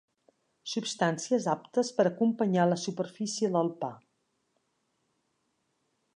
Substàncies aptes per acompanyar la superfície del pa.